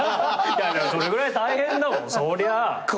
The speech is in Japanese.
それぐらい大変だもん。